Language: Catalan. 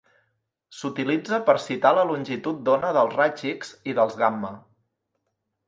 S'utilitza per citar la longitud d'ona dels raigs X i dels gamma.